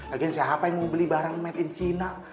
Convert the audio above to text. lagi siapa yang mau beli barang made in cina